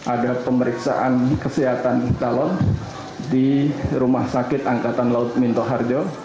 ada pemeriksaan kesehatan calon di rumah sakit angkatan laut minto harjo